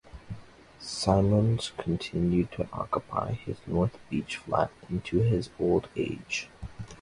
Simmons continued to occupy his North Beach flat into his old age.